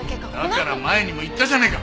だから前にも言ったじゃねえか。